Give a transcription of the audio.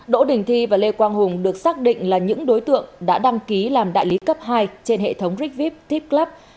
đỗ đình thi và lê quang hùng được xác định là những đối tượng đã đăng ký làm đại lý cấp hai trên hệ thống rigvip tiplub